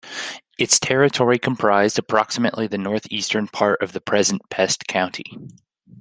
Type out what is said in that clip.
Its territory comprised approximately the north-eastern part of present Pest County.